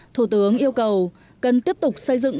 thủ tướng yêu cầu cần tiếp tục xây dựng